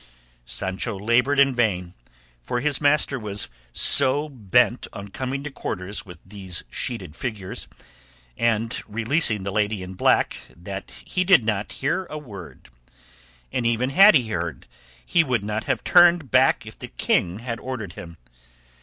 Sancho laboured in vain, for his master was so bent on coming to quarters with these sheeted figures and releasing the lady in black that he did not hear a word; and even had he heard, he would not have turned back if the king had ordered him.